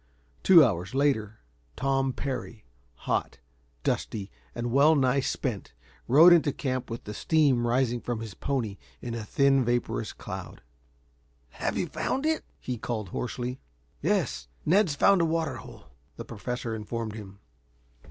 Two hours later, Tom Parry, hot, dusty and well nigh spent, rode into camp with the steam rising from his pony in a thin, vaporous cloud. "Have you found it?" he called hoarsely. "Yes; Ned's found a water hole," the Professor informed him.